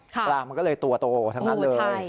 ปลามันก็เลยตัวโตทั้งนั้นเลย